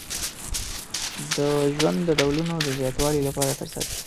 د ژوند د ډولونو د زیاتوالي لپاره ترسره کیږي.